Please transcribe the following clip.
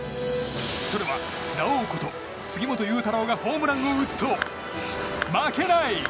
それは、ラオウこと杉本裕太郎がホームランを打つと負けない。